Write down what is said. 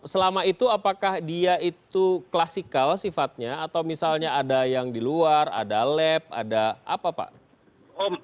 selama itu apakah dia itu klasikal sifatnya atau misalnya ada yang di luar ada lab ada apa pak